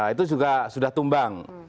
itu juga sudah tumbang